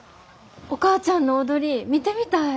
お母ちゃんの踊り見てみたい。